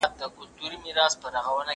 دا سپينکۍ له هغه پاکه ده؟!